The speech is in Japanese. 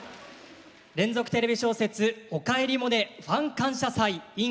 連続テレビ小説「おかえりモネ」ファン感謝祭ｉｎ